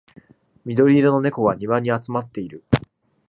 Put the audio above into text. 緑色の猫が庭に集まっている